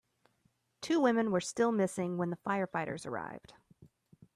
Two women were still missing when the firefighters arrived.